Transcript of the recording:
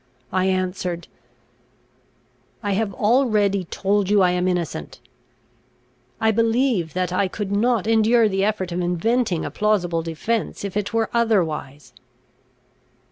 I answered: "I have already told you I am innocent. I believe that I could not endure the effort of inventing a plausible defence, if it were otherwise.